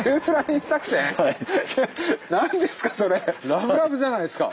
ラブラブじゃないですか。